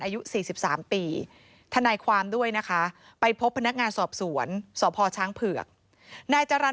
อายุ๔๓ปีทนายความด้วยนะคะไปพบพนักงานสอบสวนสพช้างเผือกนายจรรย